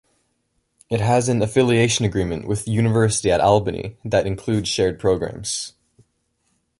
It has an affiliation agreement with University at Albany that includes shared programs.